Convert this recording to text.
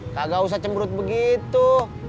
kagak usah cemberut begitu